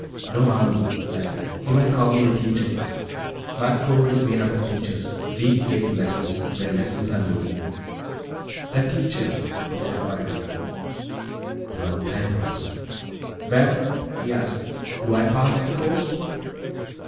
"No army," I said. "You might call me a teacher; my corps is made up of teachers. We give lessons where lessons are needed." "A teacher," he said quietly. A long time passed. "Well," he asked, "do I pass the course?"